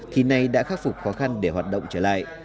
khi này đã khắc phục khó khăn để hoạt động trở lại